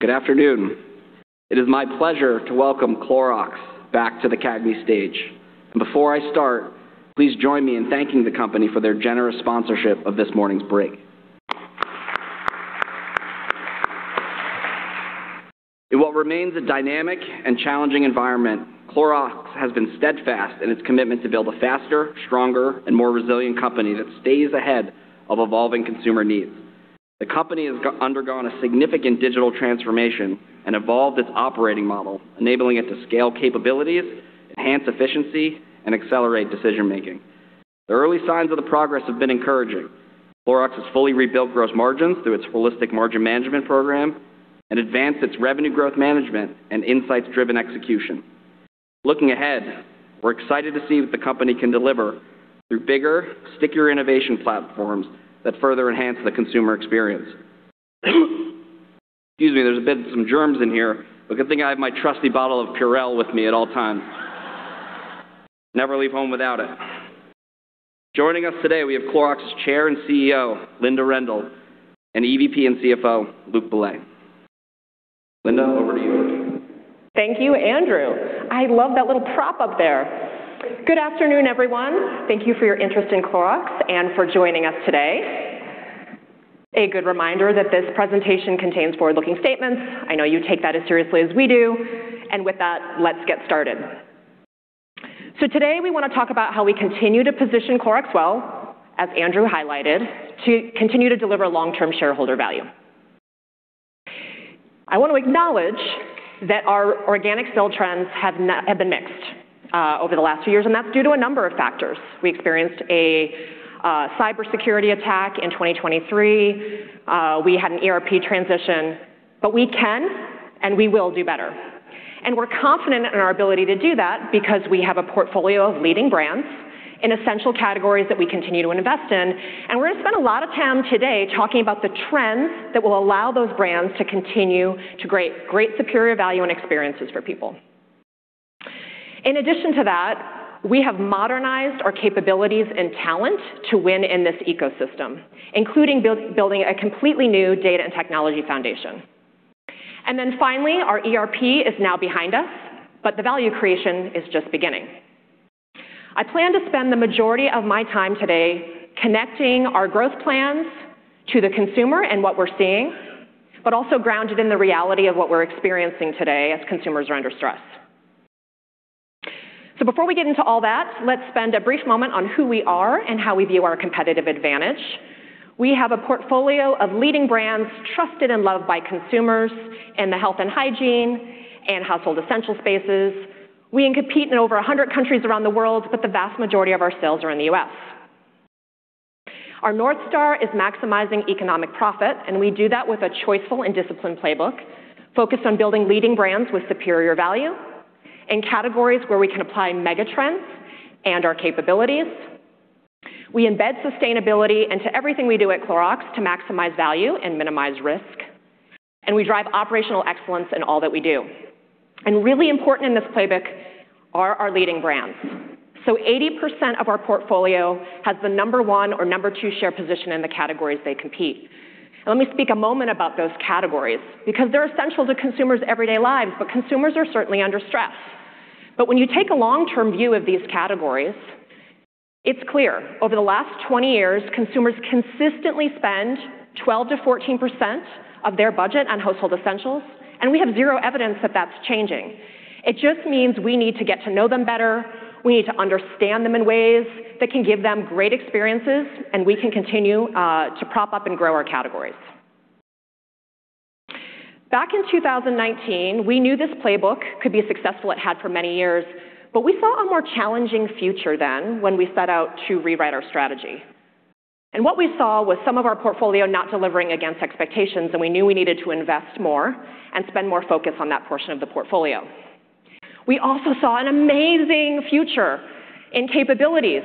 Good afternoon! It is my pleasure to welcome Clorox back to the CAGNY stage. Before I start, please join me in thanking the company for their generous sponsorship of this morning's break. In what remains a dynamic and challenging environment, Clorox has been steadfast in its commitment to build a faster, stronger, and more resilient company that stays ahead of evolving consumer needs. The company has undergone a significant digital transformation and evolved its operating model, enabling it to scale capabilities, enhance efficiency, and accelerate decision-making. The early signs of the progress have been encouraging. Clorox has fully rebuilt gross margins through its Holistic Margin Management program and advanced its Revenue Growth Management and insights-driven execution. Looking ahead, we're excited to see what the company can deliver through bigger, stickier innovation platforms that further enhance the consumer experience. Excuse me, there's a bit of some germs in here, but good thing I have my trusty bottle of PURELL with me at all times. Never leave home without it. Joining us today, we have Clorox's Chair and CEO, Linda Rendle, and EVP and CFO, Luc Bellet. Linda, over to you. Thank you, Andrew. I love that little prop up there. Good afternoon, everyone. Thank you for your interest in Clorox and for joining us today. A good reminder that this presentation contains forward-looking statements. I know you take that as seriously as we do, and with that, let's get started. So today, we wanna talk about how we continue to position Clorox well, as Andrew highlighted, to continue to deliver long-term shareholder value. I want to acknowledge that our organic sales trends have been mixed over the last few years, and that's due to a number of factors. We experienced a cybersecurity attack in 2023, we had an ERP transition, but we can and we will do better. And we're confident in our ability to do that because we have a portfolio of leading brands in essential categories that we continue to invest in, and we're going to spend a lot of time today talking about the trends that will allow those brands to continue to create great superior value and experiences for people. In addition to that, we have modernized our capabilities and talent to win in this ecosystem, including building a completely new data and technology foundation. And then finally, our ERP is now behind us, but the value creation is just beginning. I plan to spend the majority of my time today connecting our growth plans to the consumer and what we're seeing, but also grounded in the reality of what we're experiencing today as consumers are under stress. So before we get into all that, let's spend a brief moment on who we are and how we view our competitive advantage. We have a portfolio of leading brands, trusted and loved by consumers in the Health and Hygiene and Household essential spaces. We compete in over a hundred countries around the world, but the vast majority of our sales are in the U.S. Our North Star is maximizing economic profit, and we do that with a choiceful and disciplined playbook, focused on building leading brands with superior value in categories where we can apply mega trends and our capabilities. We embed sustainability into everything we do at Clorox to maximize value and minimize risk, and we drive operational excellence in all that we do. Really important in this playbook are our leading brands. So 80% of our portfolio has the number one or number two share position in the categories they compete. Let me speak a moment about those categories, because they're essential to consumers' everyday lives, but consumers are certainly under stress. But when you take a long-term view of these categories, it's clear. Over the last 20 years, consumers consistently spend 12%-14% of their budget on Household essentials, and we have zero evidence that that's changing. It just means we need to get to know them better, we need to understand them in ways that can give them great experiences, and we can continue to prop up and grow our categories. Back in 2019, we knew this playbook could be successful, it had for many years, but we saw a more challenging future then when we set out to rewrite our strategy. What we saw was some of our portfolio not delivering against expectations, and we knew we needed to invest more and spend more focus on that portion of the portfolio. We also saw an amazing future in capabilities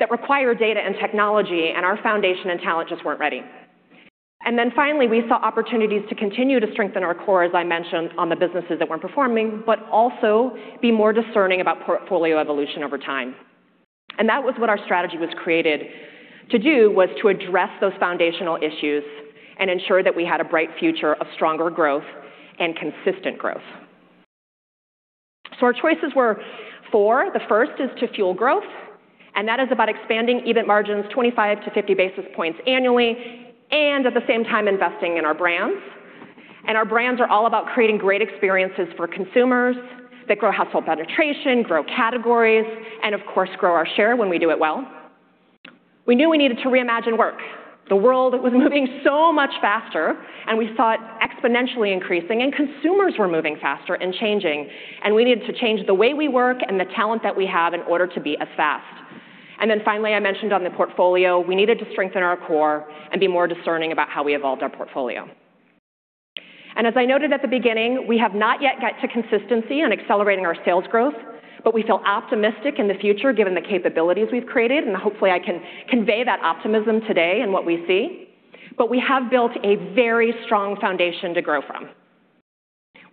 that required data and technology, and our foundation and talent just weren't ready. Then finally, we saw opportunities to continue to strengthen our core, as I mentioned, on the businesses that weren't performing, but also be more discerning about portfolio evolution over time. That was what our strategy was created to do, was to address those foundational issues and ensure that we had a bright future of stronger growth and consistent growth. Our choices were four. The first is to fuel growth, and that is about expanding EBIT margins 25-50 basis points annually and, at the same time, investing in our brands. Our brands are all about creating great experiences for consumers that grow Household penetration, grow categories, and of course, grow our share when we do it well. We knew we needed to reimagine work. The world was moving so much faster, and we saw it exponentially increasing, and consumers were moving faster and changing, and we needed to change the way we work and the talent that we have in order to be as fast. And then finally, I mentioned on the portfolio, we needed to strengthen our core and be more discerning about how we evolved our portfolio. And as I noted at the beginning, we have not yet got to consistency on accelerating our sales growth, but we feel optimistic in the future given the capabilities we've created, and hopefully, I can convey that optimism today and what we see. But we have built a very strong foundation to grow from....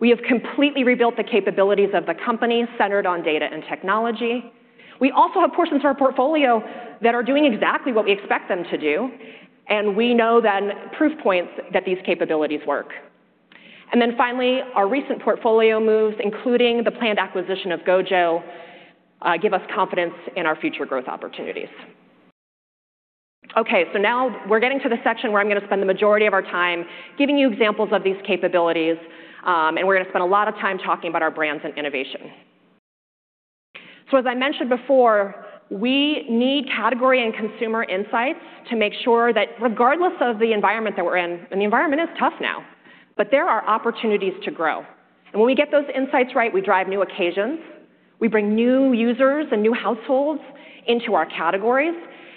We have completely rebuilt the capabilities of the company, centered on data and technology. We also have portions of our portfolio that are doing exactly what we expect them to do, and we know then, proof points, that these capabilities work. And then finally, our recent portfolio moves, including the planned acquisition of GOJO, give us confidence in our future growth opportunities. Okay, so now we're getting to the section where I'm gonna spend the majority of our time giving you examples of these capabilities, and we're gonna spend a lot of time talking about our brands and innovation. So as I mentioned before, we need category and consumer insights to make sure that regardless of the environment that we're in, and the environment is tough now, but there are opportunities to grow. When we get those insights right, we drive new occasions, we bring new users and new Households into our categories,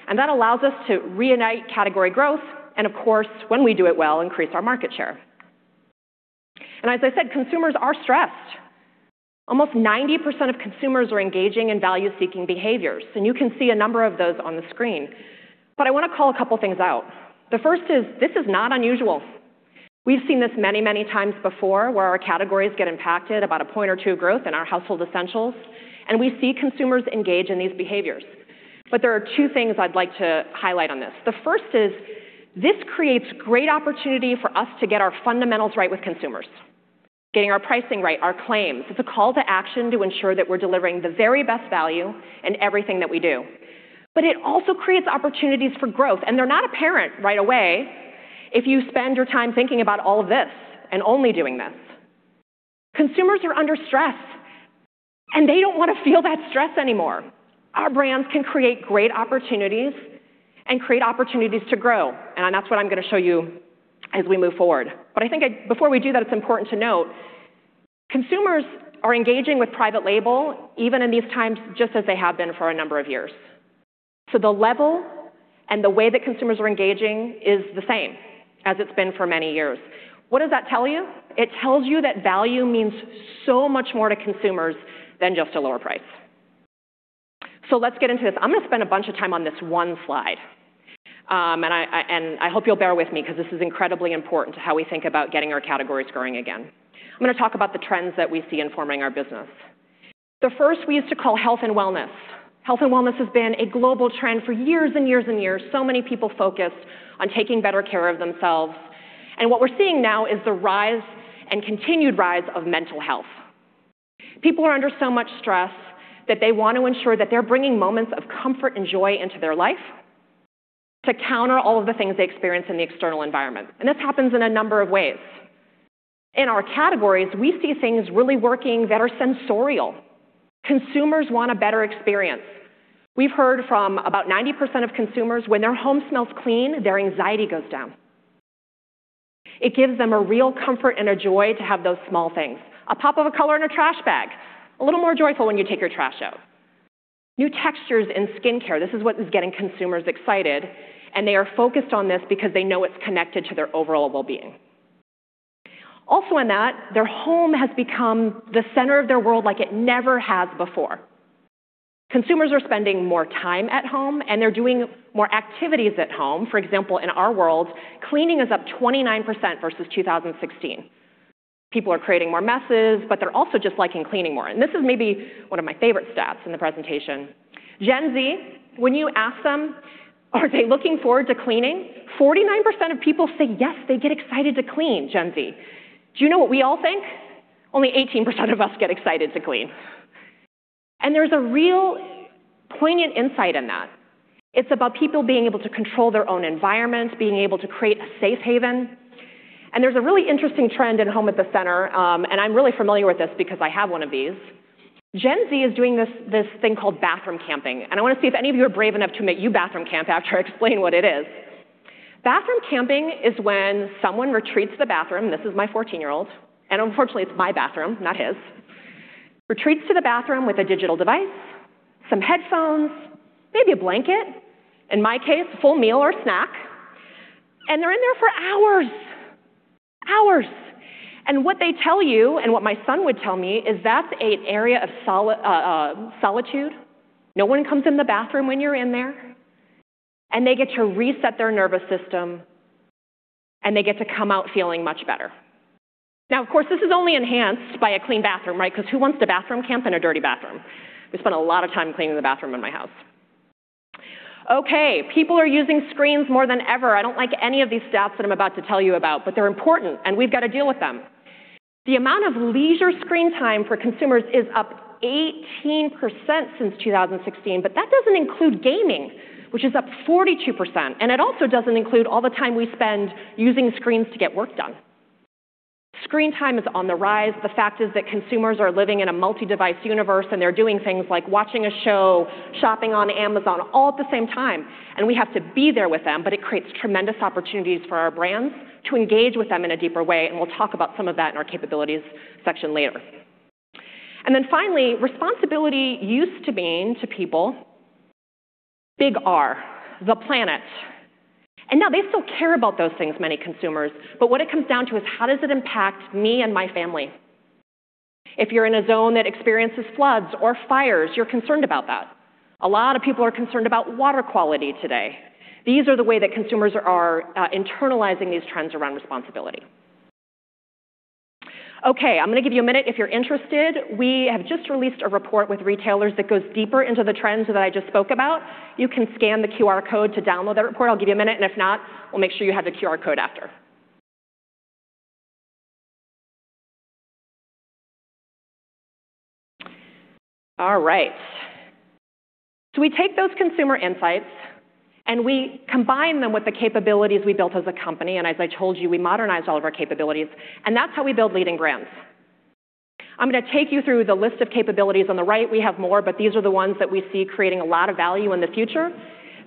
and that allows us to reignite category growth, and of course, when we do it well, increase our market share. As I said, consumers are stressed. Almost 90% of consumers are engaging in value-seeking behaviors, and you can see a number of those on the screen, but I wanna call a couple things out. The first is, this is not unusual. We've seen this many, many times before, where our categories get impacted about 1 point or 2 points of growth in our Household essentials, and we see consumers engage in these behaviors. There are two things I'd like to highlight on this. The first is, this creates great opportunity for us to get our fundamentals right with consumers. Getting our pricing right, our claims. It's a call to action to ensure that we're delivering the very best value in everything that we do. But it also creates opportunities for growth, and they're not apparent right away if you spend your time thinking about all of this and only doing this. Consumers are under stress, and they don't wanna feel that stress anymore. Our brands can create great opportunities and create opportunities to grow, and that's what I'm gonna show you as we move forward. But I think before we do that, it's important to note, consumers are engaging with private label even in these times, just as they have been for a number of years. So the level and the way that consumers are engaging is the same as it's been for many years. What does that tell you? It tells you that value means so much more to consumers than just a lower price. So let's get into this. I'm gonna spend a bunch of time on this one slide, and I hope you'll bear with me, 'cause this is incredibly important to how we think about getting our categories growing again. I'm gonna talk about the trends that we see informing our business. The first we used to call Health and Wellness. Health and Wellness has been a global trend for years and years and years. So many people focused on taking better care of themselves, and what we're seeing now is the rise, and continued rise, of mental health. People are under so much stress that they want to ensure that they're bringing moments of comfort and joy into their life to counter all of the things they experience in the external environment, and this happens in a number of ways. In our categories, we see things really working that are sensorial. Consumers want a better experience. We've heard from about 90% of consumers, when their home smells clean, their anxiety goes down. It gives them a real comfort and a joy to have those small things. A pop of a color in a trash bag, a little more joyful when you take your trash out. New textures in skincare. This is what is getting consumers excited, and they are focused on this because they know it's connected to their overall well-being. Also in that, their home has become the center of their world like it never has before. Consumers are spending more time at home, and they're doing more activities at home. For example, in our world, cleaning is up 29% versus 2016. People are creating more messes, but they're also just liking cleaning more. And this is maybe one of my favorite stats in the presentation. Gen Z, when you ask them, are they looking forward to cleaning? 49% of people say yes, they get excited to clean, Gen Z. Do you know what we all think? Only 18% of us get excited to clean. And there's a real poignant insight in that. It's about people being able to control their own environment, being able to create a safe haven. There's a really interesting trend in home at the center, and I'm really familiar with this because I have one of these. Gen Z is doing this, this thing called bathroom camping, and I wanna see if any of you are brave enough to admit you bathroom camp after I explain what it is. Bathroom camping is when someone retreats to the bathroom, this is my 14-year-old, and unfortunately, it's my bathroom, not his. Retreats to the bathroom with a digital device, some headphones, maybe a blanket, in my case, a full meal or a snack, and they're in there for hours. Hours! What they tell you, and what my son would tell me, is that's an area of solitude. No one comes in the bathroom when you're in there, and they get to reset their nervous system, and they get to come out feeling much better. Now, of course, this is only enhanced by a clean bathroom, right? Because who wants to bathroom camp in a dirty bathroom? We spend a lot of time cleaning the bathroom in my house. Okay, people are using screens more than ever. I don't like any of these stats that I'm about to tell you about, but they're important, and we've gotta deal with them. The amount of leisure screen time for consumers is up 18% since 2016, but that doesn't include gaming, which is up 42%, and it also doesn't include all the time we spend using screens to get work done. Screen time is on the rise. The fact is that consumers are living in a multi-device universe, and they're doing things like watching a show, shopping on Amazon, all at the same time, and we have to be there with them, but it creates tremendous opportunities for our brands to engage with them in a deeper way, and we'll talk about some of that in our capabilities section later. Then finally, responsibility used to mean to people, big R, the planet, and now they still care about those things, many consumers, but what it comes down to is: How does it impact me and my family?... If you're in a zone that experiences floods or fires, you're concerned about that. A lot of people are concerned about water quality today. These are the way that consumers are internalizing these trends around responsibility. Okay, I'm gonna give you a minute. If you're interested, we have just released a report with retailers that goes deeper into the trends that I just spoke about. You can scan the QR code to download that report. I'll give you a minute, and if not, we'll make sure you have the QR code after. All right. So we take those consumer insights, and we combine them with the capabilities we built as a company, and as I told you, we modernized all of our capabilities, and that's how we build leading brands. I'm gonna take you through the list of capabilities on the right. We have more, but these are the ones that we see creating a lot of value in the future.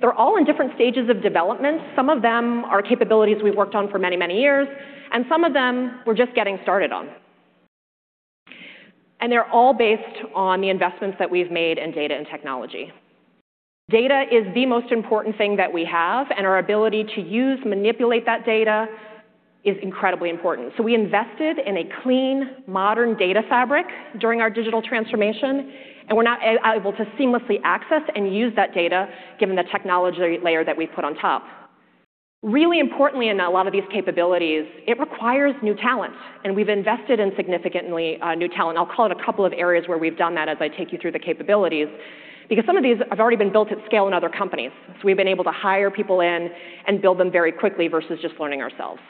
They're all in different stages of development. Some of them are capabilities we've worked on for many, many years, and some of them we're just getting started on. They're all based on the investments that we've made in data and technology. Data is the most important thing that we have, and our ability to use, manipulate that data is incredibly important. So we invested in a clean, modern data fabric during our digital transformation, and we're now able to seamlessly access and use that data, given the technology layer that we put on top. Really importantly, in a lot of these capabilities, it requires new talent, and we've invested in significantly new talent. I'll call out a couple of areas where we've done that as I take you through the capabilities, because some of these have already been built at scale in other companies. So we've been able to hire people in and build them very quickly versus just learning ourselves.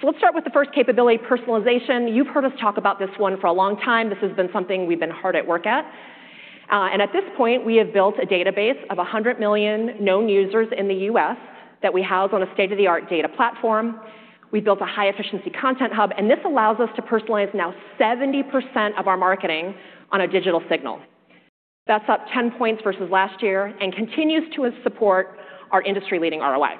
So let's start with the first capability, personalization. You've heard us talk about this one for a long time. This has been something we've been hard at work at. At this point, we have built a database of 100 million known users in the U.S. that we house on a state-of-the-art data platform. We built a high-efficiency content hub, and this allows us to personalize now 70% of our marketing on a digital signal. That's up 10 points versus last year and continues to support our industry-leading ROI.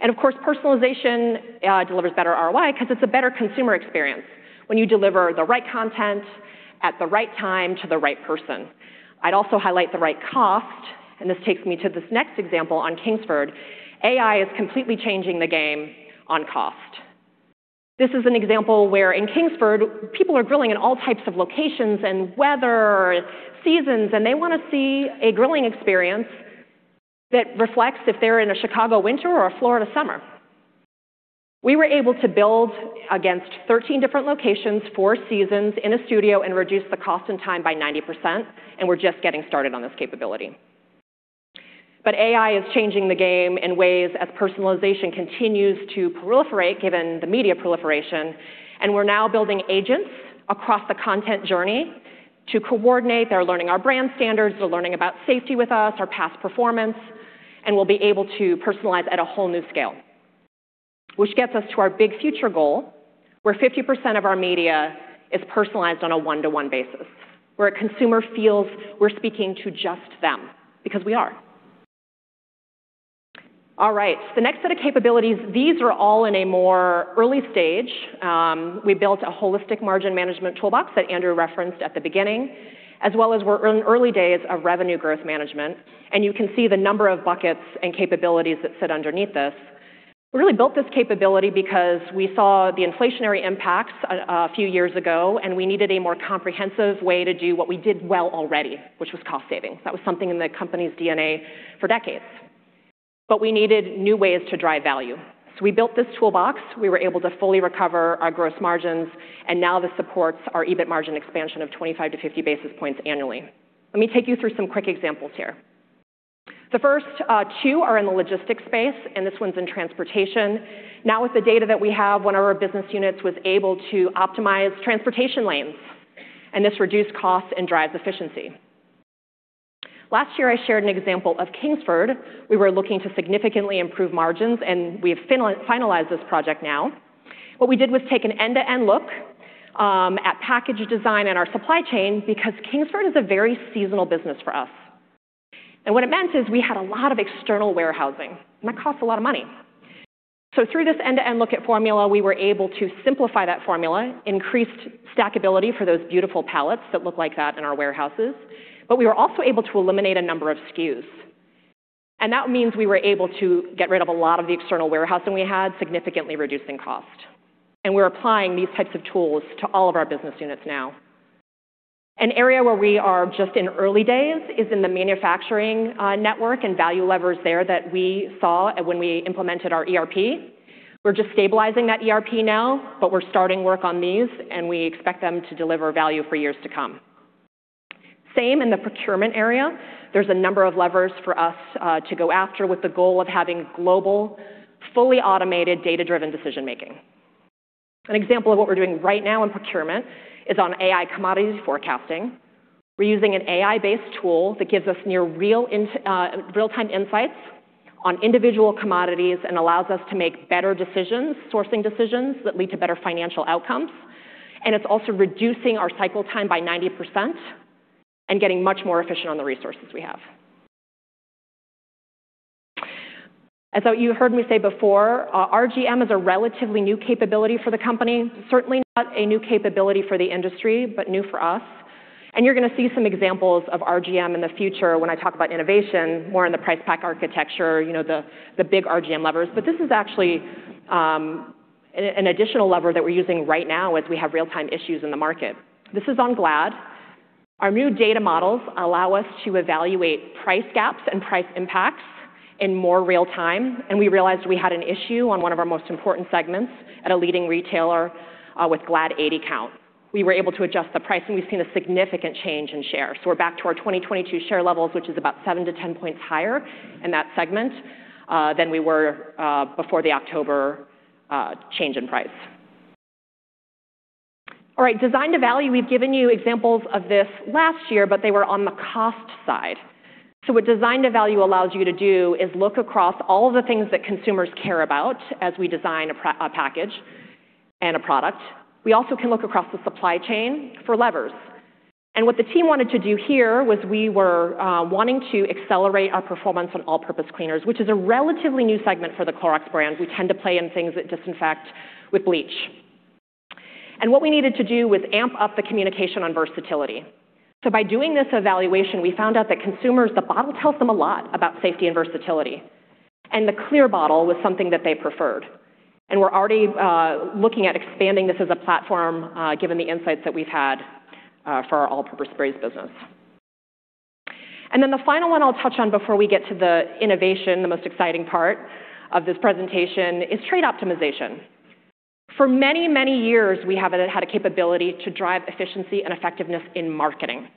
And of course, personalization delivers better ROI because it's a better consumer experience when you deliver the right content at the right time to the right person. I'd also highlight the right cost, and this takes me to this next example on Kingsford. AI is completely changing the game on cost. This is an example where in Kingsford, people are grilling in all types of locations and weather, seasons, and they want to see a grilling experience that reflects if they're in a Chicago winter or a Florida summer. We were able to build against 13 different locations, four seasons in a studio, and reduce the cost and time by 90%, and we're just getting started on this capability. But AI is changing the game in ways as personalization continues to proliferate, given the media proliferation, and we're now building agents across the content journey to coordinate. They're learning our brand standards, they're learning about safety with us, our past performance, and we'll be able to personalize at a whole new scale, which gets us to our big future goal, where 50% of our media is personalized on a one-to-one basis, where a consumer feels we're speaking to just them, because we are. All right, so the next set of capabilities, these are all in a more early stage. We built a Holistic Margin Management toolbox that Andrew referenced at the beginning, as well as we're in early days of Revenue Growth Management, and you can see the number of buckets and capabilities that sit underneath this. We really built this capability because we saw the inflationary impacts a few years ago, and we needed a more comprehensive way to do what we did well already, which was cost saving. That was something in the company's DNA for decades. But we needed new ways to drive value. So we built this toolbox. We were able to fully recover our gross margins, and now this supports our EBIT margin expansion of 25-50 basis points annually. Let me take you through some quick examples here. The first two are in the logistics space, and this one's in transportation. Now, with the data that we have, one of our business units was able to optimize transportation lanes, and this reduced costs and drives efficiency. Last year, I shared an example of Kingsford. We were looking to significantly improve margins, and we have finalized this project now. What we did was take an end-to-end look at package design in our supply chain because Kingsford is a very seasonal business for us. What it meant is we had a lot of external warehousing, and that costs a lot of money. Through this end-to-end look at formula, we were able to simplify that formula, increased stackability for those beautiful pallets that look like that in our warehouses, but we were also able to eliminate a number of SKUs. That means we were able to get rid of a lot of the external warehousing we had, significantly reducing cost. We're applying these types of tools to all of our business units now. An area where we are just in early days is in the manufacturing network and value levers there that we saw when we implemented our ERP. We're just stabilizing that ERP now, but we're starting work on these, and we expect them to deliver value for years to come. Same in the procurement area. There's a number of levers for us to go after with the goal of having global, fully automated, data-driven decision making. An example of what we're doing right now in procurement is on AI commodity forecasting. We're using an AI-based tool that gives us near real-time insights on individual commodities and allows us to make better decisions, sourcing decisions, that lead to better financial outcomes, and it's also reducing our cycle time by 90% and getting much more efficient on the resources we have. As you heard me say before, RGM is a relatively new capability for the company. Certainly not a new capability for the industry, but new for us. And you're going to see some examples of RGM in the future when I talk about innovation, more on the price pack architecture, you know, the, the big RGM levers. But this is actually an additional lever that we're using right now as we have real-time issues in the market. This is on Glad. Our new data models allow us to evaluate price gaps and price impacts in more real time, and we realized we had an issue on one of our most important segments at a leading retailer with Glad 80-count. We were able to adjust the price, and we've seen a significant change in share. So we're back to our 2022 share levels, which is about 7-10 points higher in that segment than we were before the October change in price. All right, Design to Value, we've given you examples of this last year, but they were on the cost side. So what Design to Value allows you to do is look across all the things that consumers care about as we design a package and a product. We also can look across the supply chain for levers. And what the team wanted to do here was we were wanting to accelerate our performance on all-purpose cleaners, which is a relatively new segment for the Clorox brand. We tend to play in things that disinfect with bleach. And what we needed to do was amp up the communication on versatility. So by doing this evaluation, we found out that consumers, the bottle tells them a lot about safety and versatility, and the clear bottle was something that they preferred. And we're already looking at expanding this as a platform given the insights that we've had for our all-purpose sprays business. And then the final one I'll touch on before we get to the innovation, the most exciting part of this presentation, is trade optimization. For many, many years, we have had a capability to drive efficiency and effectiveness in marketing,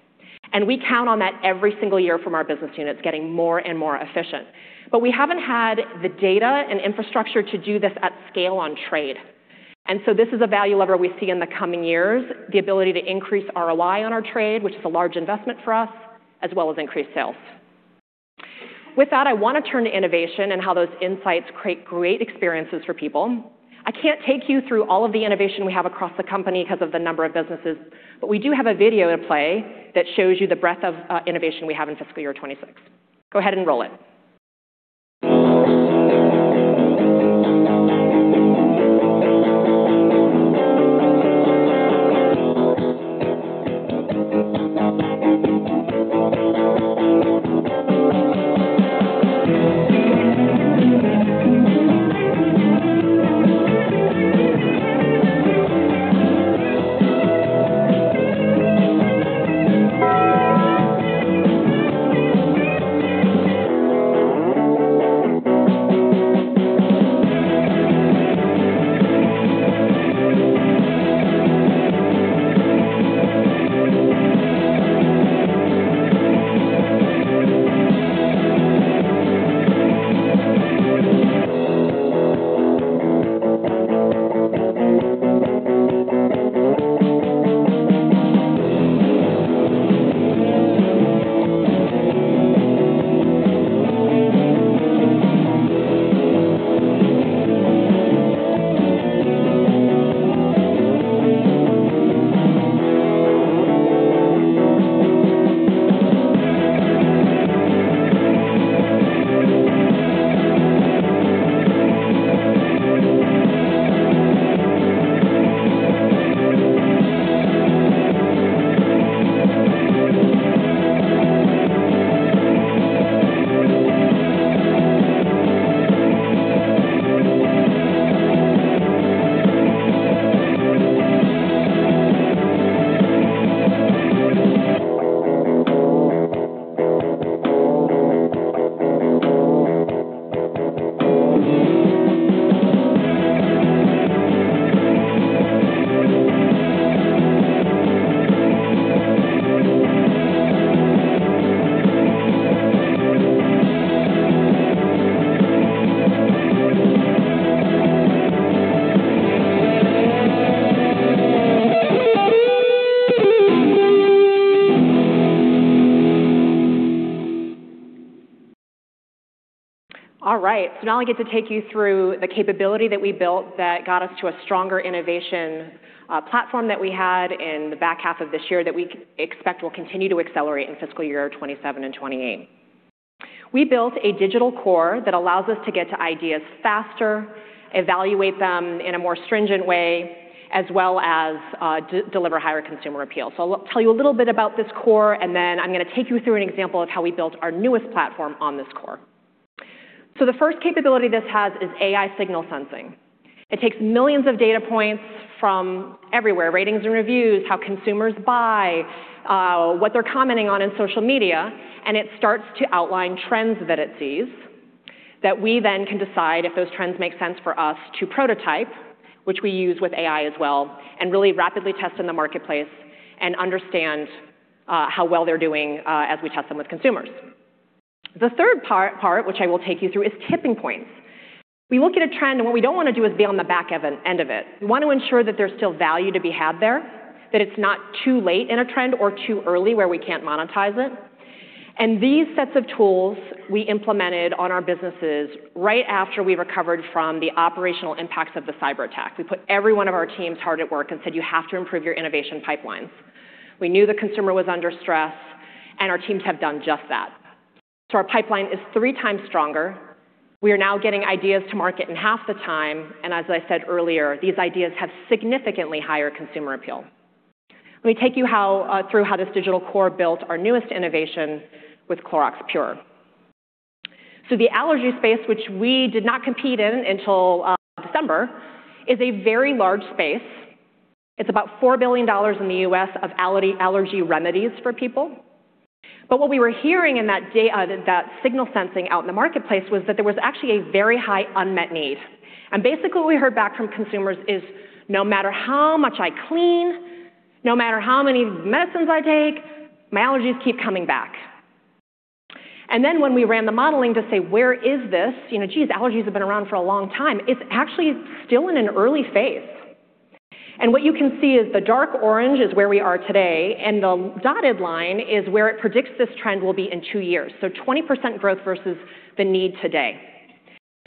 and we count on that every single year from our business units getting more and more efficient. But we haven't had the data and infrastructure to do this at scale on trade. And so this is a value lever we see in the coming years, the ability to increase ROI on our trade, which is a large investment for us, as well as increased sales. With that, I want to turn to innovation and how those insights create great experiences for people. I can't take you through all of the innovation we have across the company because of the number of businesses, but we do have a video to play that shows you the breadth of innovation we have in fiscal year 2026. Go ahead and roll it. All right. So now I get to take you through the capability that we built that got us to a stronger innovation platform that we had in the back half of this year that we expect will continue to accelerate in fiscal year 2027 and 2028. We built a digital core that allows us to get to ideas faster, evaluate them in a more stringent way, as well as deliver higher consumer appeal. I'll tell you a little bit about this core, and then I'm going to take you through an example of how we built our newest platform on this core. The first capability this has is AI signal sensing. It takes millions of data points from everywhere, ratings and reviews, how consumers buy, what they're commenting on in social media, and it starts to outline trends that it sees that we then can decide if those trends make sense for us to prototype, which we use with AI as well, and really rapidly test in the marketplace and understand how well they're doing as we test them with consumers. The third part, which I will take you through, is tipping points. We look at a trend, and what we don't want to do is be on the back of an end of it. We want to ensure that there's still value to be had there, that it's not too late in a trend or too early where we can't monetize it. These sets of tools we implemented on our businesses right after we recovered from the operational impacts of the cyberattack. We put every one of our teams hard at work and said, "You have to improve your innovation pipelines." We knew the consumer was under stress, and our teams have done just that. Our pipeline is three times stronger. We are now getting ideas to market in half the time, and as I said earlier, these ideas have significantly higher consumer appeal. Let me take you how, through how this digital core built our newest innovation with Clorox Pure. The allergy space, which we did not compete in until December, is a very large space. It's about $4 billion in the U.S. of allergy remedies for people. But what we were hearing in that data, that signal sensing out in the marketplace was that there was actually a very high unmet need. Basically, what we heard back from consumers is: "No matter how much I clean, no matter how many medicines I take, my allergies keep coming back." Then when we ran the modeling to say, where is this? You know, geez, allergies have been around for a long time. It's actually still in an early phase. What you can see is the dark orange is where we are today, and the dotted line is where it predicts this trend will be in two years. So 20% growth versus the need today.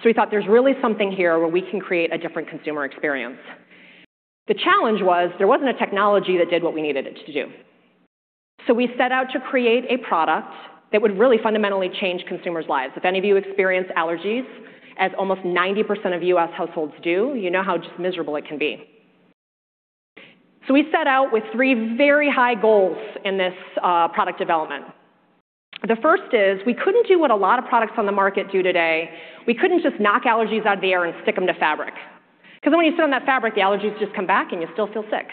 So we thought there's really something here where we can create a different consumer experience. The challenge was there wasn't a technology that did what we needed it to do. So we set out to create a product that would really fundamentally change consumers' lives. If any of you experience allergies, as almost 90% of U.S. Households do, you know how just miserable it can be. So we set out with three very high goals in this, product development. The first is, we couldn't do what a lot of products on the market do today. We couldn't just knock allergies out of the air and stick them to fabric, 'cause then when you sit on that fabric, the allergies just come back, and you still feel sick.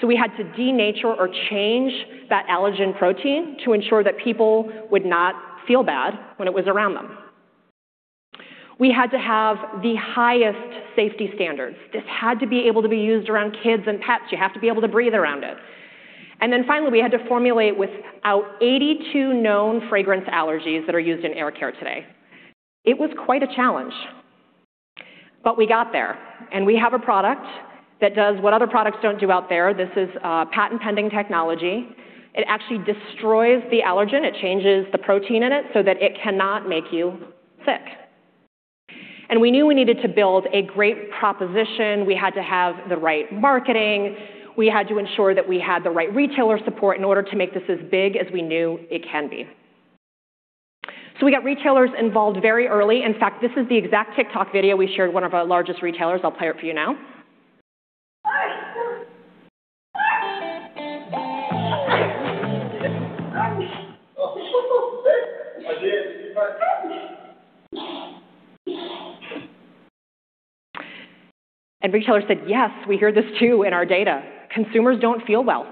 So we had to denature or change that allergen protein to ensure that people would not feel bad when it was around them. We had to have the highest safety standards. This had to be able to be used around kids and pets. You have to be able to breathe around it. Then finally, we had to formulate without 82 known fragrance allergies that are used in air care today. It was quite a challenge, but we got there, and we have a product that does what other products don't do out there. This is a patent-pending technology. It actually destroys the allergen. It changes the protein in it so that it cannot make you sick. We knew we needed to build a great proposition. We had to have the right marketing. We had to ensure that we had the right retailer support in order to make this as big as we knew it can be. We got retailers involved very early. In fact, this is the exact TikTok video we shared with one of our largest retailers. I'll play it for you now. And retailers said, "Yes, we hear this too in our data. Consumers don't feel well."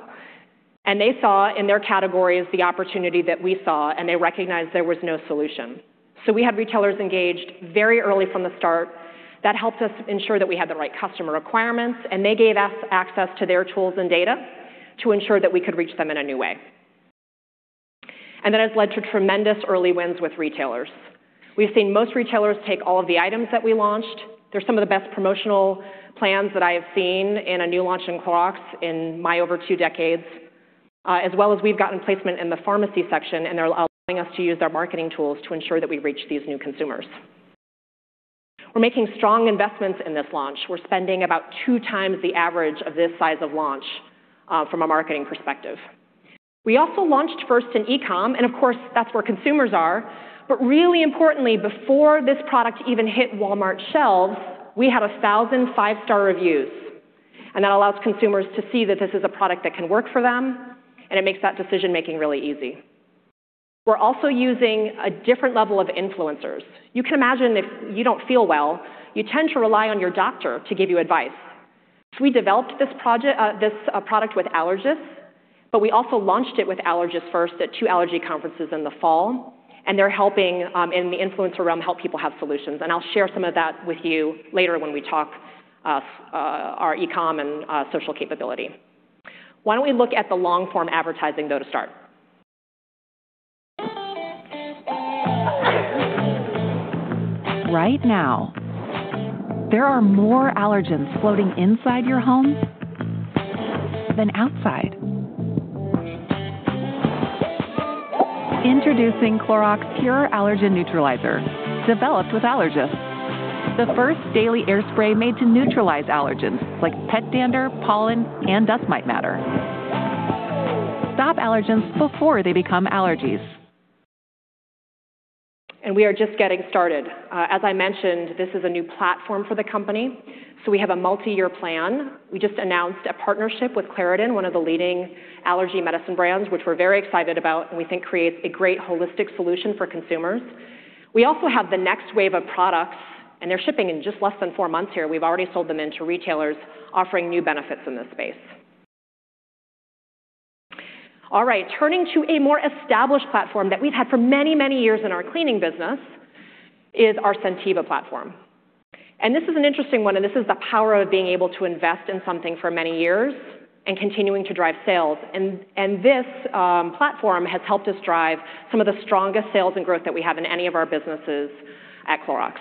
And they saw in their categories the opportunity that we saw, and they recognized there was no solution. So we had retailers engaged very early from the start. That helped us ensure that we had the right customer requirements, and they gave us access to their tools and data to ensure that we could reach them in a new way. And that has led to tremendous early wins with retailers. We've seen most retailers take all of the items that we launched. They're some of the best promotional plans that I have seen in a new launch in Clorox in my over two decades, as well as we've gotten placement in the pharmacy section, and they're allowing us to use their marketing tools to ensure that we reach these new consumers. We're making strong investments in this launch. We're spending about two times the average of this size of launch, from a marketing perspective. We also launched first in e-com, and of course, that's where consumers are. But really importantly, before this product even hit Walmart shelves, we had 1,000 five-star reviews, and that allows consumers to see that this is a product that can work for them, and it makes that decision-making really easy. We're also using a different level of influencers. You can imagine if you don't feel well, you tend to rely on your doctor to give you advice. So we developed this product with allergists, but we also launched it with allergists first at two allergy conferences in the fall, and they're helping in the influencer realm, help people have solutions. And I'll share some of that with you later when we talk our e-com and social capability. Why don't we look at the long-form advertising, though, to start? Right now, there are more allergens floating inside your home than outside. Introducing Clorox Pure Allergen Neutralizer, developed with allergists. The first daily air spray made to neutralize allergens like pet dander, pollen, and dust mite matter. Stop allergens before they become allergies. And we are just getting started. As I mentioned, this is a new platform for the company, so we have a multi-year plan. We just announced a partnership with Claritin, one of the leading allergy medicine brands, which we're very excited about, and we think creates a great holistic solution for consumers. We also have the next wave of products, and they're shipping in just less than four months here. We've already sold them into retailers, offering new benefits in this space. All right, turning to a more established platform that we've had for many, many years in our cleaning business is our Scentiva platform. This is an interesting one, and this is the power of being able to invest in something for many years and continuing to drive sales. This platform has helped us drive some of the strongest sales and growth that we have in any of our businesses at Clorox.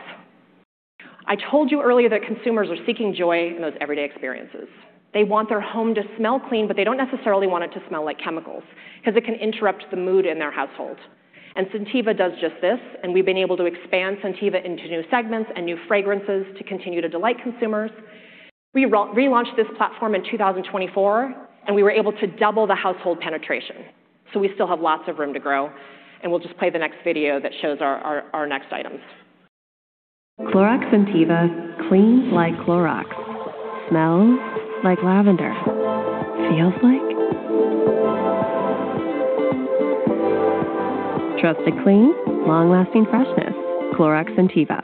I told you earlier that consumers are seeking joy in those everyday experiences. They want their home to smell clean, but they don't necessarily want it to smell like chemicals because it can interrupt the mood in their Household. And Scentiva does just this, and we've been able to expand Scentiva into new segments and new fragrances to continue to delight consumers. We relaunched this platform in 2024, and we were able to double the Household penetration. So we still have lots of room to grow, and we'll just play the next video that shows our next items. Clorox Scentiva, cleans like Clorox, smells like lavender, feels like... trusted clean, long-lasting freshness, Clorox Scentiva.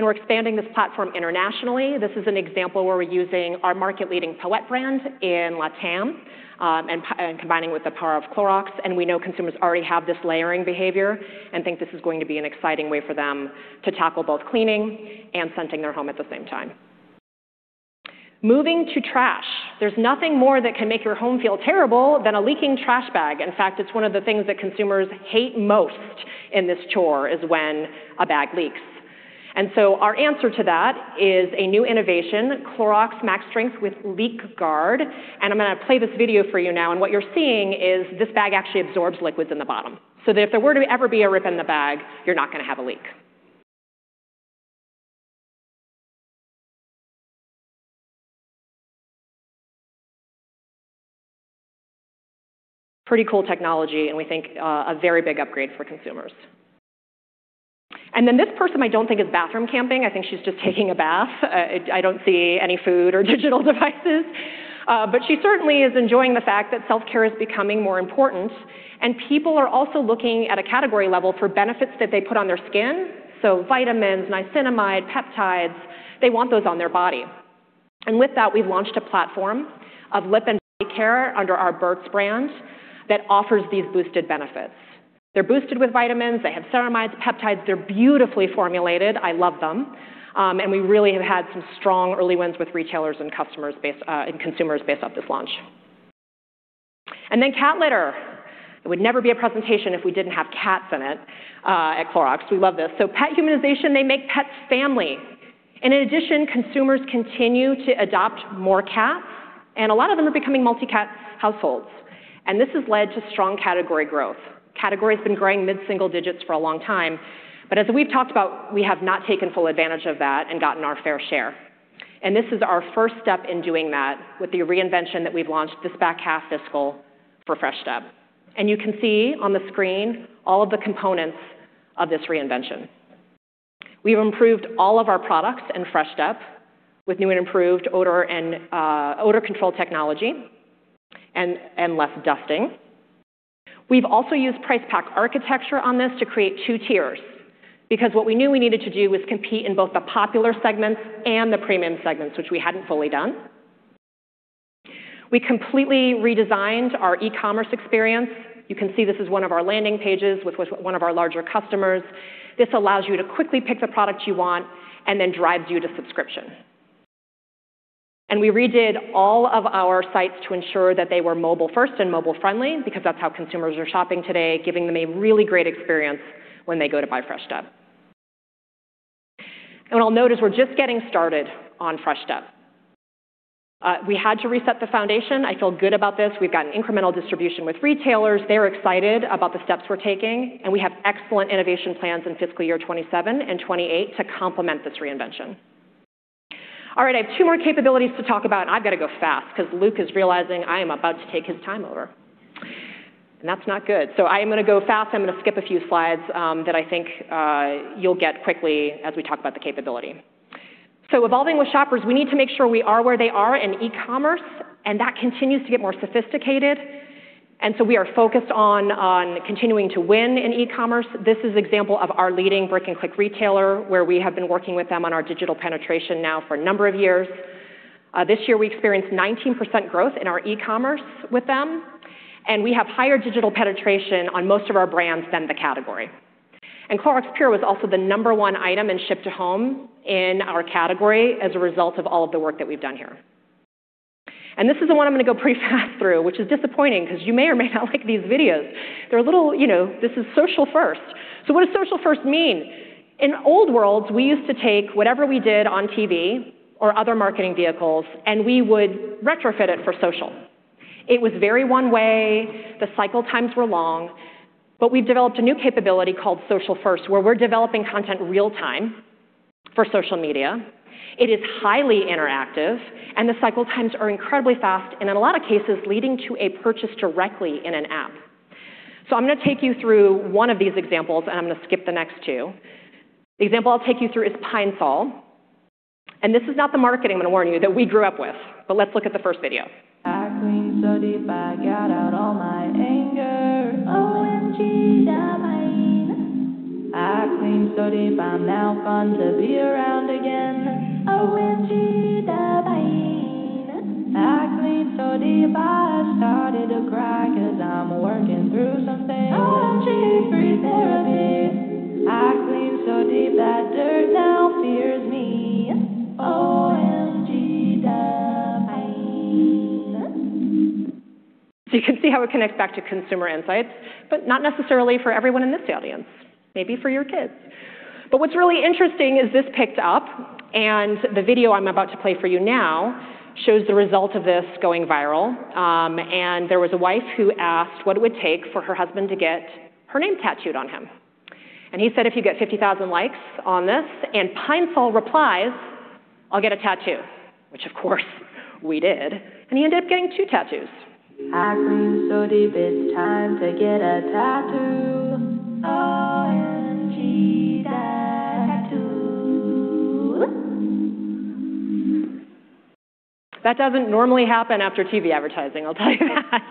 We're expanding this platform Internationally. This is an example where we're using our market-leading Poett brand in Latam, and combining with the power of Clorox. And we know consumers already have this layering behavior and think this is going to be an exciting way for them to tackle both cleaning and scenting their home at the same time. Moving to trash, there's nothing more that can make your home feel terrible than a leaking trash bag. In fact, it's one of the things that consumers hate most in this chore, is when a bag leaks. And so our answer to that is a new innovation, Clorox Max Strength with LeakGuard, and I'm gonna play this video for you now, and what you're seeing is this bag actually absorbs liquids in the bottom. So that if there were to ever be a rip in the bag, you're not gonna have a leak. Pretty cool technology, and we think a very big upgrade for consumers. And then this person I don't think is bathroom camping. I think she's just taking a bath. I don't see any food or digital devices, but she certainly is enjoying the fact that self-care is becoming more important, and people are also looking at a category level for benefits that they put on their skin, so vitamins, niacinamide, peptides, they want those on their body. And with that, we've launched a platform of lip and body care under our Burt's brand that offers these boosted benefits. They're boosted with vitamins, they have ceramides, peptides. They're beautifully formulated. I love them. We really have had some strong early wins with retailers and customer base, and consumer base off this launch. Then cat litter. It would never be a presentation if we didn't have cats in it at Clorox. We love this. So pet humanization. They make pets family, and in addition, consumers continue to adopt more cats, and a lot of them are becoming multi-cat Households, and this has led to strong category growth. Category's been growing mid-single digits for a long time, but as we've talked about, we have not taken full advantage of that and gotten our fair share. This is our first step in doing that with the reinvention that we've launched this back half fiscal for Fresh Step. You can see on the screen all of the components of this reinvention. We've improved all of our products in Fresh Step with new and improved odor control technology and less dusting. We've also used price pack architecture on this to create two tiers, because what we knew we needed to do was compete in both the popular segments and the premium segments, which we hadn't fully done. We completely redesigned our e-commerce experience. You can see this is one of our landing pages with one of our larger customers. This allows you to quickly pick the product you want and then drives you to subscription. We redid all of our sites to ensure that they were mobile first and mobile friendly, because that's how consumers are shopping today, giving them a really great experience when they go to buy Fresh Step. What I'll note is we're just getting started on Fresh Step. We had to reset the foundation. I feel good about this. We've got an incremental distribution with retailers. They're excited about the steps we're taking, and we have excellent innovation plans in fiscal year 27 and 28 to complement this reinvention. All right, I have two more capabilities to talk about. I've got to go fast because Luc is realizing I am about to take his time over, and that's not good. So I am gonna go fast. I'm gonna skip a few slides that I think you'll get quickly as we talk about the capability. So evolving with shoppers, we need to make sure we are where they are in e-commerce, and that continues to get more sophisticated, and so we are focused on, on continuing to win in e-commerce. This is an example of our leading brick-and-click retailer, where we have been working with them on our digital penetration now for a number of years. This year, we experienced 19% growth in our e-commerce with them, and we have higher digital penetration on most of our brands than the category. Clorox Pure was also the number one item in ship-to-home in our category as a result of all of the work that we've done here. This is the one I'm gonna go pretty fast through, which is disappointing, 'cause you may or may not like these videos. They're a little... You know, this is Social First. So what does Social First mean? In old worlds, we used to take whatever we did on TV or other marketing vehicles, and we would retrofit it for social. It was very one way, the cycle times were long, but we've developed a new capability called Social First, where we're developing content real time for social media. It is highly interactive, and the cycle times are incredibly fast, and in a lot of cases, leading to a purchase directly in an app. So I'm gonna take you through one of these examples, and I'm gonna skip the next two. The example I'll take you through is Pine-Sol, and this is not the marketing, I'm gonna warn you, that we grew up with, but let's look at the first video. I cleaned so deep, I got out all my anger. OMG, da pine. I cleaned so deep, I'm now fun to be around again. OMG, da pine. I cleaned so deep, I started to cry 'cause I'm working through some things. OMG, three, four tears. I cleaned so deep that dirt now fears me. OMG, that pine. So you can see how it connects back to consumer insights, but not necessarily for everyone in this audience, maybe for your kids. But what's really interesting is this picked up, and the video I'm about to play for you now shows the result of this going viral, and there was a wife who asked what it would take for her husband to get her name tattooed on him... and he said, "If you get 50,000 likes on this and Pine-Sol replies, I'll get a tattoo," which of course, we did, and he ended up getting two tattoos. I clean so deep, it's time to get a tattoo. OMG, that tattoo! That doesn't normally happen after TV advertising, I'll tell you that.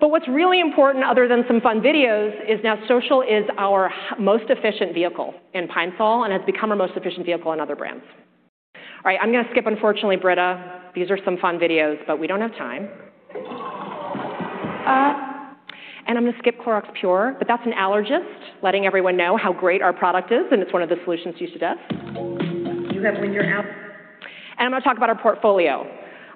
But what's really important, other than some fun videos, is now social is our most efficient vehicle in Pine-Sol and has become our most efficient vehicle in other brands. All right, I'm gonna skip, unfortunately, Brita. These are some fun videos, but we don't have time. And I'm gonna skip Clorox Pure, but that's an allergist letting everyone know how great our product is, and it's one of the solutions used today. You have winter out. I'm gonna talk about our portfolio.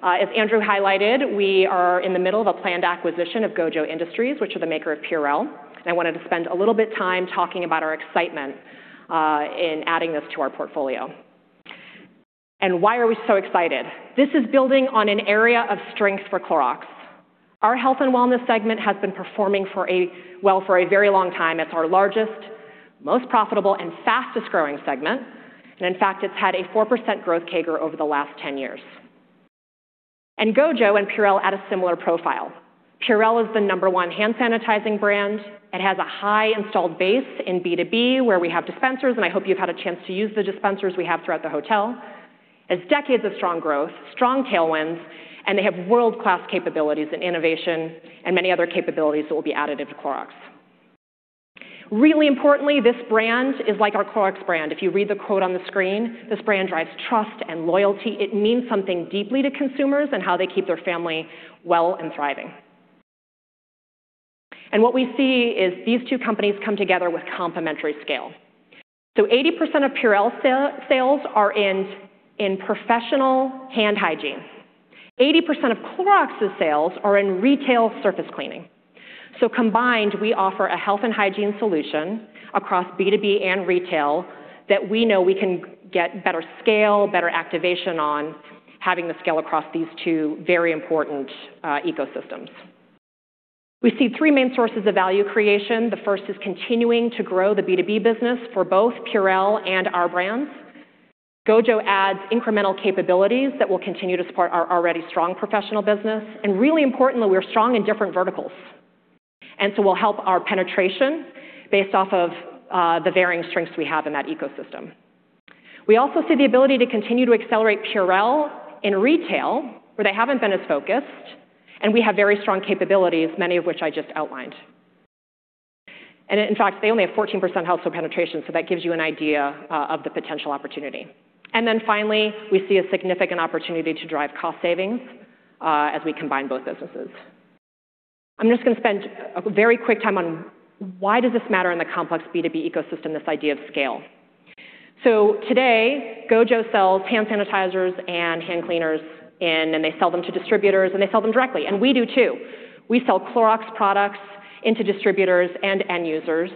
As Andrew highlighted, we are in the middle of a planned acquisition of GOJO Industries, which are the maker of PURELL, and I wanted to spend a little bit time talking about our excitement in adding this to our portfolio. Why are we so excited? This is building on an area of strength for Clorox. Our Health and Wellness segment has been performing well for a very long time. It's our largest, most profitable, and fastest-growing segment, and in fact, it's had a 4% growth CAGR over the last 10 years. GOJO and PURELL add a similar profile. PURELL is the number one hand sanitizing brand. It has a high installed base in B2B, where we have dispensers, and I hope you've had a chance to use the dispensers we have throughout the hotel. It's decades of strong growth, strong tailwinds, and they have world-class capabilities and innovation and many other capabilities that will be additive to Clorox. Really importantly, this brand is like our Clorox brand. If you read the quote on the screen, this brand drives trust and loyalty. It means something deeply to consumers and how they keep their family well and thriving. What we see is these two companies come together with complementary scale. Eighty percent of Purell sales are in professional hand hygiene. Eighty percent of Clorox's sales are in retail surface cleaning. Combined, we offer a Health and Hygiene solution across B2B and retail that we know we can get better scale, better activation on having the scale across these two very important ecosystems. We see three main sources of value creation. The first is continuing to grow the B2B business for both Purell and our brands. GOJO adds incremental capabilities that will continue to support our already strong professional business, and really importantly, we're strong in different verticals, and so we'll help our penetration based off of the varying strengths we have in that ecosystem. We also see the ability to continue to accelerate PURELL in retail, where they haven't been as focused, and we have very strong capabilities, many of which I just outlined. And in fact, they only have 14% Household penetration, so that gives you an idea of the potential opportunity. And then finally, we see a significant opportunity to drive cost savings as we combine both businesses. I'm just gonna spend a very quick time on why does this matter in the complex B2B ecosystem, this idea of scale? So today, GOJO sells hand sanitizers and hand cleaners, and then they sell them to distributors, and they sell them directly, and we do, too. We sell Clorox products into distributors and end users,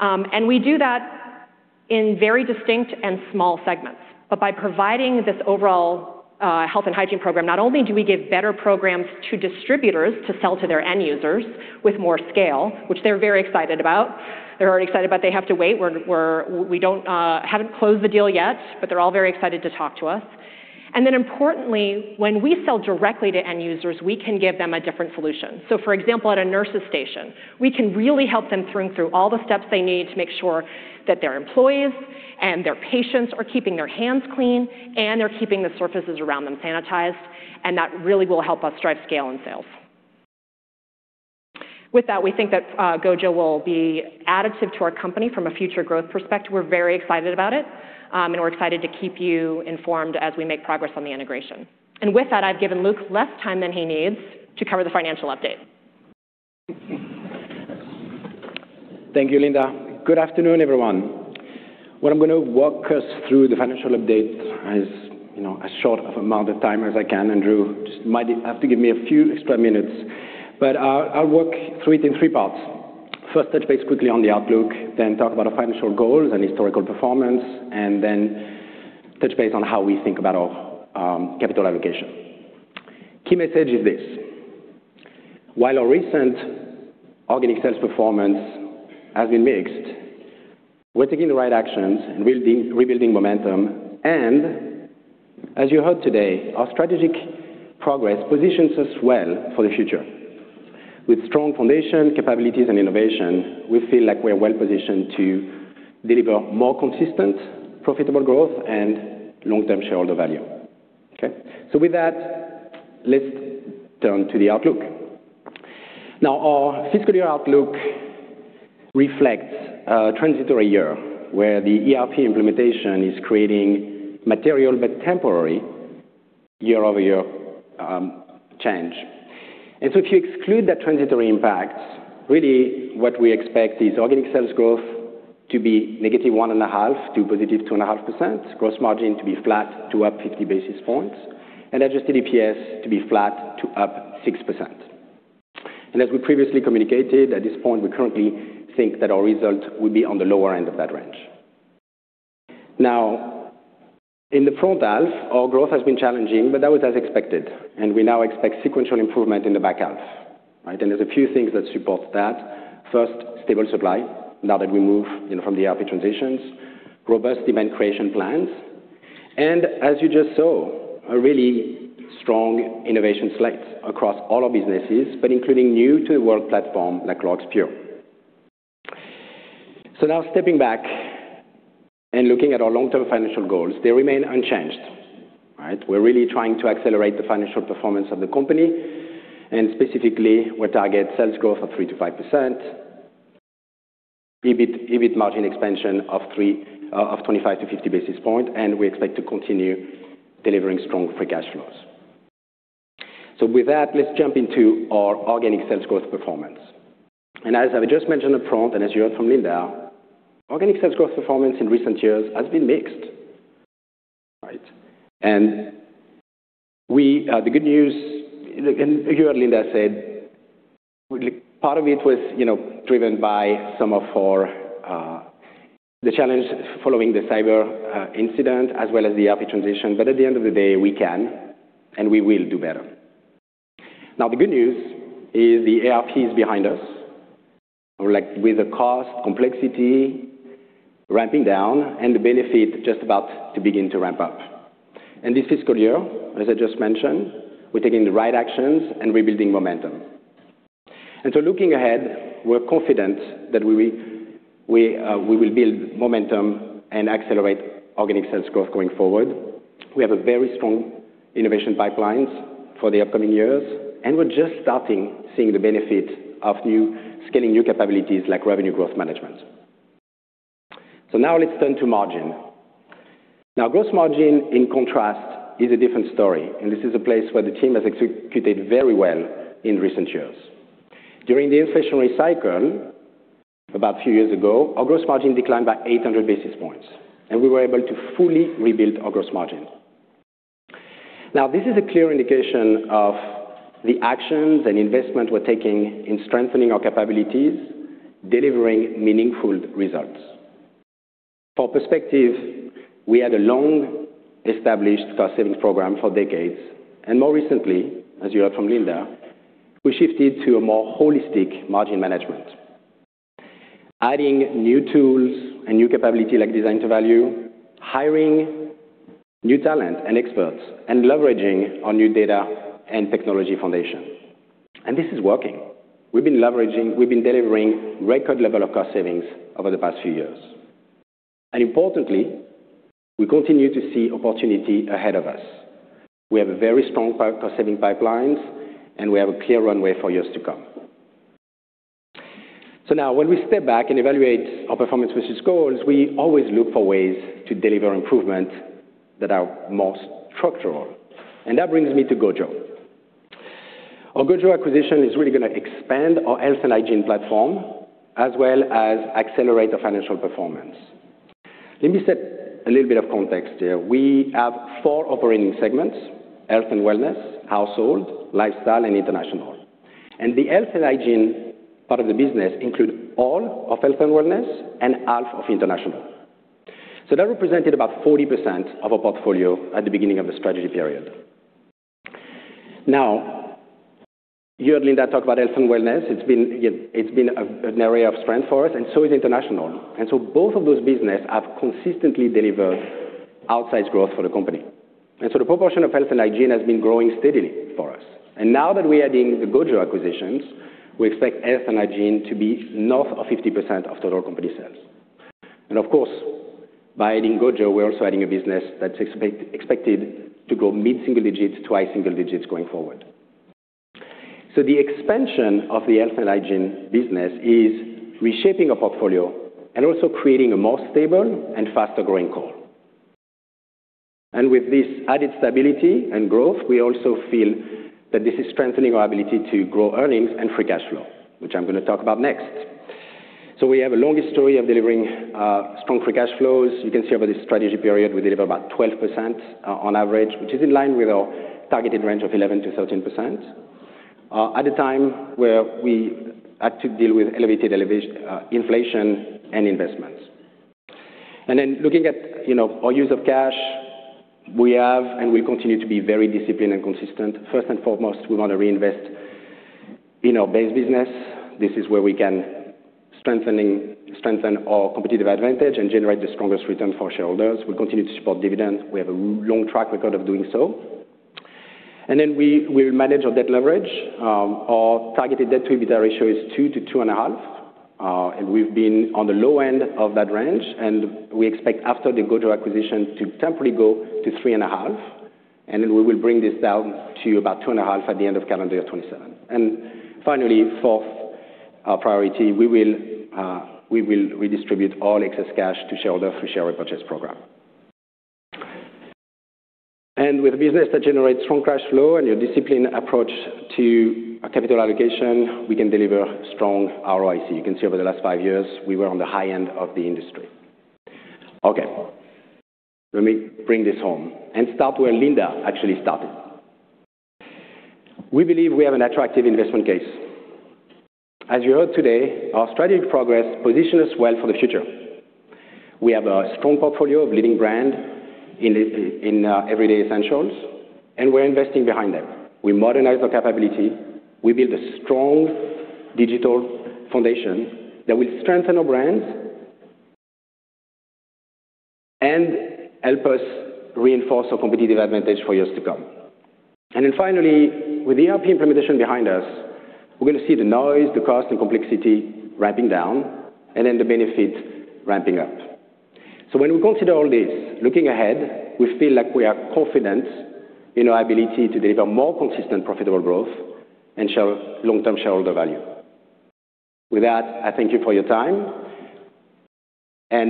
and we do that in very distinct and small segments. But by providing this overall Health and Hygiene program, not only do we give better programs to distributors to sell to their end users with more scale, which they're very excited about. They're already excited, but they have to wait. We're – we haven't closed the deal yet, but they're all very excited to talk to us. And then importantly, when we sell directly to end users, we can give them a different solution. So for example, at a nurse's station, we can really help them through all the steps they need to make sure that their employees and their patients are keeping their hands clean, and they're keeping the surfaces around them sanitized, and that really will help us drive scale and sales. With that, we think that GOJO will be additive to our company from a future growth perspective. We're very excited about it, and we're excited to keep you informed as we make progress on the integration. And with that, I've given Luc less time than he needs to cover the financial update. Thank you, Linda. Good afternoon, everyone. What I'm gonna walk us through the financial update is, you know, as short of amount of time as I can. Andrew just might have to give me a few extra minutes, but I'll walk through it in three parts. First, touch base quickly on the outlook, then talk about our financial goals and historical performance, and then touch base on how we think about our capital allocation. Key message is this: while our recent organic sales performance has been mixed, we're taking the right actions and rebuilding, rebuilding momentum, and as you heard today, our strategic progress positions us well for the future. With strong foundation, capabilities, and innovation, we feel like we're well-positioned to deliver more consistent, profitable growth and long-term shareholder value. Okay? So with that, let's turn to the outlook. Now, our fiscal year outlook reflects a transitory year, where the ERP implementation is creating material but temporary year-over-year change. And so if you exclude that transitory impact, really what we expect is organic sales growth to be -1.5% to +2.5%, gross margin to be flat to up 50 basis points, and adjusted EPS to be flat to up 6%. And as we previously communicated, at this point, we currently think that our result will be on the lower end of that range. Now, in the front half, our growth has been challenging, but that was as expected, and we now expect sequential improvement in the back half, right? And there's a few things that support that. First, stable supply, now that we move in from the ERP transitions, robust event creation plans, and as you just saw, a really strong innovation slate across all our businesses, but including new to the world platform like Clorox Pure. So now stepping back and looking at our long-term financial goals, they remain unchanged, right? We're really trying to accelerate the financial performance of the company, and specifically, we target sales growth of 3%-5%, EBIT, EBIT margin expansion of 25-50 basis points, and we expect to continue delivering strong free cash flows. So with that, let's jump into our organic sales growth performance. And as I just mentioned up front, and as you heard from Linda, organic sales growth performance in recent years has been mixed, right? And we, the good news, and you heard Linda said, part of it was, you know, driven by some of our, the challenge following the cyber, incident as well as the ERP transition. But at the end of the day, we can and we will do better. Now, the good news is the ERP is behind us, like with the cost, complexity, ramping down and the benefit just about to begin to ramp up. And this fiscal year, as I just mentioned, we're taking the right actions and rebuilding momentum. And so looking ahead, we're confident that we will, we, we will build momentum and accelerate organic sales growth going forward. We have a very strong innovation pipelines for the upcoming years, and we're just starting seeing the benefit of new... scaling new capabilities like revenue growth management. So now let's turn to margin. Now, gross margin, in contrast, is a different story, and this is a place where the team has executed very well in recent years. During the inflationary cycle, about 2 years ago, our gross margin declined by 800 basis points, and we were able to fully rebuild our gross margin. Now, this is a clear indication of the actions and investment we're taking in strengthening our capabilities, delivering meaningful results. For perspective, we had a long-established cost savings program for decades, and more recently, as you heard from Linda, we shifted to a more Holistic Margin Management, adding new tools and new capability like Design to Value, hiring new talent and experts, and leveraging our new data and technology foundation. And this is working. We've been delivering record level of cost savings over the past few years. Importantly, we continue to see opportunity ahead of us. We have a very strong cost-saving pipelines, and we have a clear runway for years to come. Now when we step back and evaluate our performance versus goals, we always look for ways to deliver improvement that are more structural. That brings me to GOJO. Our GOJO acquisition is really going to expand our Health and Hygiene platform, as well as accelerate our financial performance. Let me set a little bit of context here. We have four operating segments: Health and Wellness, Household, Lifestyle, and International. The Health and Hygiene part of the business include all of Health and Wellness and half of International. That represented about 40% of our portfolio at the beginning of the strategy period. Now, you heard Linda talk about Health and Wellness. It's been an area of strength for us, and so is International. And so both of those business have consistently delivered outsized growth for the company. And so the proportion of Health and Hygiene has been growing steadily for us. And now that we're adding the GOJO acquisition, we expect Health and Hygiene to be north of 50% of total company sales. And of course, by adding GOJO, we're also adding a business that's expected to grow mid-single digits to high single digits going forward. So the expansion of the Health and Hygiene business is reshaping our portfolio and also creating a more stable and faster-growing core. And with this added stability and growth, we also feel that this is strengthening our ability to grow earnings and free cash flow, which I'm going to talk about next. So we have a long history of delivering strong free cash flows. You can see over the strategy period, we deliver about 12% on average, which is in line with our targeted range of 11%-13%, at a time where we had to deal with elevated inflation and investments. And then looking at, you know, our use of cash, we have and we continue to be very disciplined and consistent. First and foremost, we want to reinvest in our base business. This is where we can strengthen our competitive advantage and generate the strongest return for shareholders. We continue to support dividends. We have a long track record of doing so. And then we manage our debt leverage. Our targeted debt to EBITDA ratio is 2-2.5, and we've been on the low end of that range, and we expect after the Gojo acquisition to temporarily go to 3.5, and then we will bring this down to about 2.5 at the end of calendar year 2027. And finally, fourth, our priority, we will, we will redistribute all excess cash to shareholders through share repurchase program. And with a business that generates strong cash flow and a disciplined approach to capital allocation, we can deliver strong ROIC. You can see over the last five years, we were on the high end of the industry. Okay, let me bring this home and start where Linda actually started. We believe we have an attractive investment case. As you heard today, our strategic progress positions us well for the future. We have a strong portfolio of leading brand in everyday essentials, and we're investing behind them. We modernize our capability. We build a strong digital foundation that will strengthen our brands, and help us reinforce our competitive advantage for years to come. Then finally, with the ERP implementation behind us, we're going to see the noise, the cost, and complexity ramping down and then the benefits ramping up. When we consider all this, looking ahead, we feel like we are confident in our ability to deliver more consistent, profitable growth and share long-term shareholder value. With that, I thank you for your time.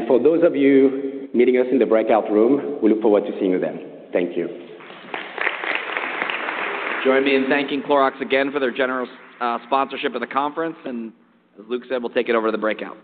For those of you meeting us in the breakout room, we look forward to seeing you then. Thank you. Join me in thanking Clorox again for their generous sponsorship of the conference, and as Luc said, we'll take it over to the breakout.